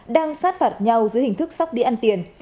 đang sát phạt nhau dưới hình thức sóc đi ăn tiền